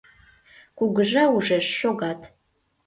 Кугыжа ужеш: шогат